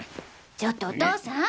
ちょっとお父さん